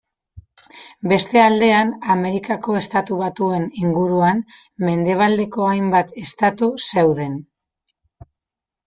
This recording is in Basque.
Beste aldean Amerikako Estatu Batuen inguruan mendebaldeko hainbat estatu zeuden.